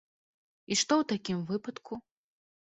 І што ў такім выпадку?